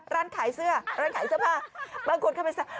ร้านขายเสื้อร้านขายเสื้อผ้าบางคนเข้าไปใส่